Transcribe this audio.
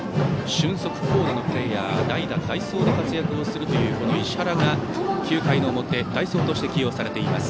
俊足巧打のプレーヤー代打・代走で活躍するという石原が９回の表、代走として起用されています。